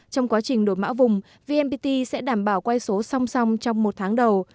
trong quá trình đột mã vùng vnpt sẽ đảm bảo quay số song song trong một tháng đầu